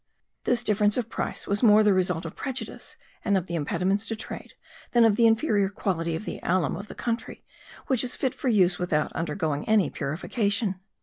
This difference of price was more the result of prejudice and of the impediments to trade, than of the inferior quality of the alum of the country, which is fit for use without undergoing any purification.